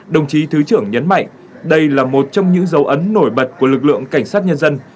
đồng chí thứ trưởng nhấn mạnh đây là một trong những dấu ấn nổi bật của lực lượng cảnh sát nhân dân